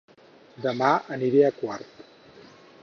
Dema aniré a Quart